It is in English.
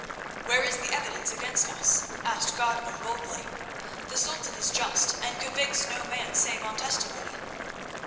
"Where is the evidence against us?" asked Godwin boldly. "The Sultan is just, and convicts no man save on testimony."